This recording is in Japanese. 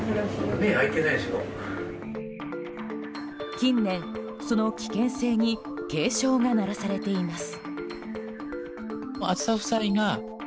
近年、その危険性に警鐘が鳴らされています。